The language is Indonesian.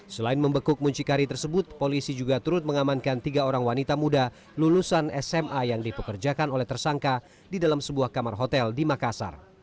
selain membekuk muncikari tersebut polisi juga turut mengamankan tiga orang wanita muda lulusan sma yang dipekerjakan oleh tersangka di dalam sebuah kamar hotel di makassar